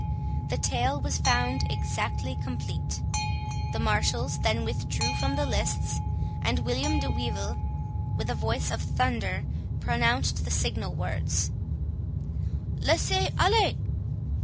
The tale was found exactly complete. The marshals then withdrew from the lists, and William de Wyvil, with a voice of thunder, pronounced the signal words—"Laissez aller!"